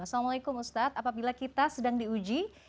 assalamualaikum ustadz apabila kita sedang diuji